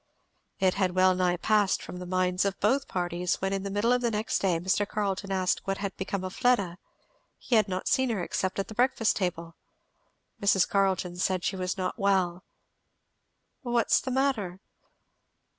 It had well nigh passed from the minds of both parties, when in the middle of the next day Mr. Carleton asked what had become of Fleda? he had not seen her except at the breakfast table. Mrs. Carleton said she was not well. "What's the matter?"